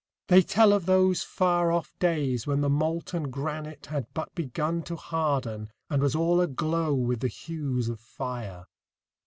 They tell of those far off days when the molten granite had but begun to harden, and was all aglow with the hues of fire.